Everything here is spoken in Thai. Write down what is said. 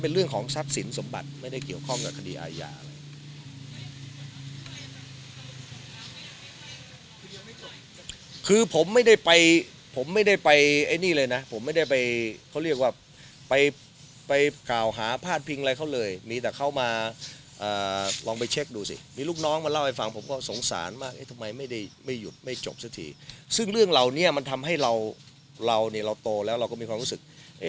เป็นเรื่องของทรัพย์สินสมบัติไม่ได้เกี่ยวข้องกับคดีอาญาคือผมไม่ได้ไปผมไม่ได้ไปไอ้นี่เลยนะผมไม่ได้ไปเขาเรียกว่าไปไปกล่าวหาพลาดพิงอะไรเขาเลยมีแต่เข้ามาเอ่อลองไปเช็คดูสิมีลูกน้องมาเล่าให้ฟังผมก็สงสารมากเอ๊ะทำไมไม่ได้ไม่หยุดไม่จบสักทีซึ่งเรื่องเหล่านี้มันทำให้เราเราเนี้ยเราโตแล้วเราก็มีความรู้สึก